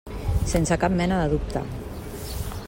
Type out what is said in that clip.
Sense cap mena de dubte.